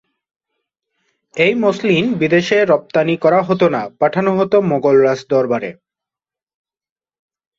এই মসলিন বিদেশে রপ্তানি করা হত না, পাঠানো হতো মোঘল রাজ দরবারে।